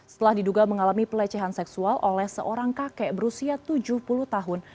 setelah diduga mengalami pelecehan seksual oleh seorang kakek berusia tujuh puluh tahun